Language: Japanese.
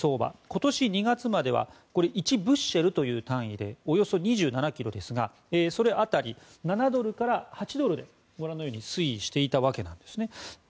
今年２月までは１ブッシェルという単位でおよそ２７ｋｇですがそれ当たり、７ドルから８ドルで推移していたわけなんです。